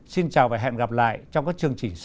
xin chào và hẹn gặp lại trong các chương trình sau